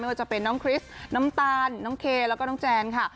ว่าจะเป็นน้องคริสน้ำตาลน้องเคแล้วก็น้องแจนค่ะ